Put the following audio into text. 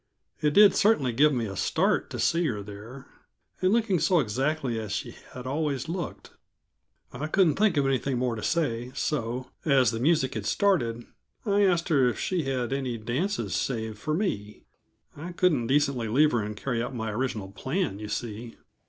It did certainly give me a start to see her there, and looking so exactly as she had always looked. I couldn't think of anything more to say, so, as the music had started, I asked her if she had any dances saved for me. I couldn't decently leave her and carry out my original plan, you see.